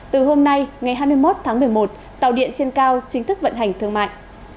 từ hôm nay ngày hai mươi một tháng một mươi một tàu điện trên cao chính thức vận hành thương mại